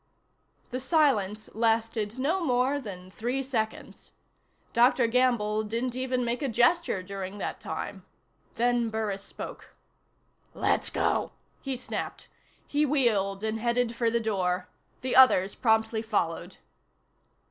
The silence lasted no more than three seconds. Dr. Gamble didn't even make a gesture during that time. Then Burris spoke. "Let's go," he snapped. He wheeled and headed for the door. The others promptly followed.